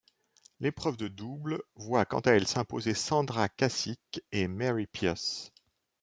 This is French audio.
L'épreuve de double voit quant à elle s'imposer Sandra Cacic et Mary Pierce.